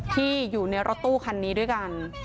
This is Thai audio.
ที่อยู่ในรถตู้คันนี้ด้วยกัน